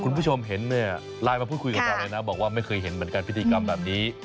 คุณผู้ชมเห็นเนี่ยไลน์มาพูดคุยกับเราเลยนะบอกว่าไม่เคยเห็นเหมือนกันพิธีกรรมแบบนี้